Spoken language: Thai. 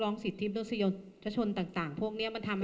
เนี่ยฮือ